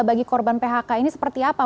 bagi korban phk ini seperti apa